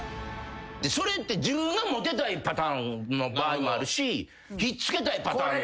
それって自分がモテたいパターンの場合もあるし引っ付けたいパターンも。